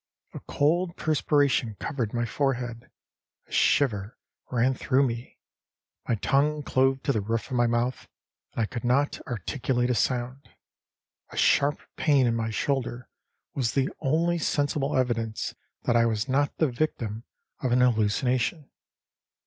â A cold perspiration covered my forehead; a shiver ran through me; my tongue clove to the roof of my mouth, and I could not articulate a sound; a sharp pain in my shoulder was the only sensible evidence that I was not the victim of an hallucination.